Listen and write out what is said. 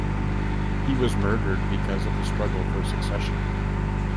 He was murdered because of the struggle for succession.